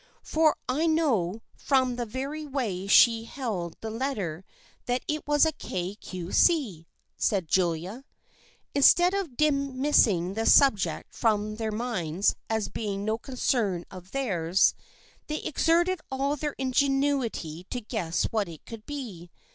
" For I know from the very way she held the letter that it was a Kay Cue See," said Julia. Instead of dismissing the subject from their minds as being no concern of theirs, they exerted all their ingenuity to guess what it could be.